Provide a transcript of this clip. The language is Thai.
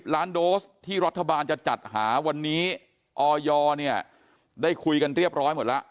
ล้านโดสที่รัฐบาลจะจัดหาวันนี้ออยเนี่ยได้คุยกันเรียบร้อยหมดแล้ว